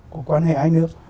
của quan hệ ái nước